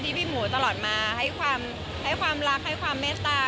พี่หมูตลอดมาให้ความรักให้ความเมตตา